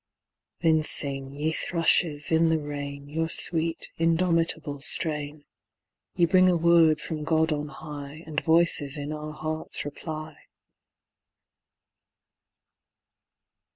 Then sing, ye thrushes, in the rain Your sweet, indomitable strain. Ye bring a word from God on high And voices in our hearts reply.